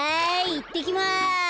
いってきます！